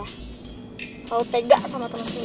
selalu tega sama temen sendiri